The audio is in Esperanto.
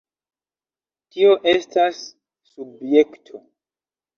Tio estas... subjekto.